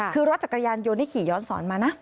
คือรถจักรยานยนต์ที่ขี่ย้อนสอนมานะ